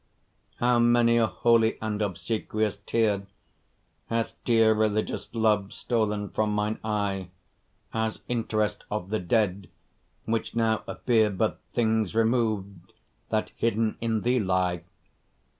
How many a holy and obsequious tear Hath dear religious love stol'n from mine eye, As interest of the dead, which now appear But things remov'd that hidden in thee lie!